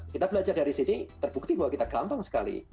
kita belajar dari sini terbukti bahwa kita gampang sekali